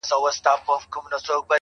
سپوږمۍ په لپه کي هغې په تماسه راوړې,